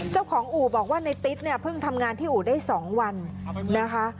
เจ้าของอู๋บอกว่าในติ๊กพึ่งทำงานที่อู๋ได้๒วันนะคะ